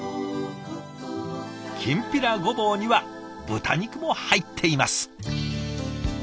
きんぴらごぼうには豚肉も入っています。